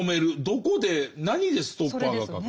どこで何でストッパーがかかる？